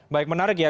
baik menarik ya